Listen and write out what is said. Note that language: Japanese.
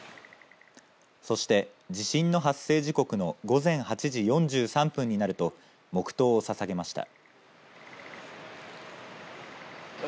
そして、地震の発生時刻の午前８時４３分になると黙とうをささげました。